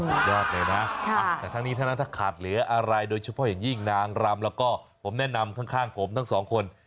สุดยอดเลยนะแต่ทั้งนี้ทั้งนั้นถ้าขาดเหลืออะไรโดยเฉพาะอย่างยิ่งนางรำแล้วก็ผมแนะนำข้างผมทั้งสองคน